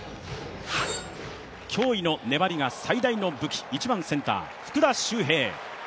驚異の粘りが最大の武器、１番センター・福田周平。